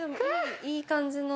いい感じの。